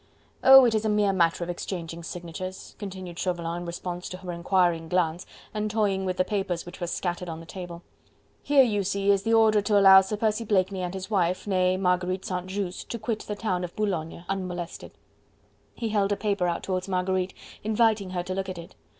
"Oh! it is a mere matter of exchanging signatures," continued Chauvelin in response to her inquiring glance and toying with the papers which were scattered on the table. "Here you see is the order to allow Sir Percy Blakeney and his wife, nee Marguerite St. Just, to quit the town of Boulogne unmolested." He held a paper out towards Marguerite, inviting her to look at it.